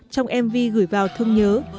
trong mv gửi vào thương nhớ